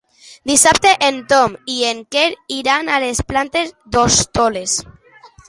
Dissabte en Tom i en Quer iran a les Planes d'Hostoles.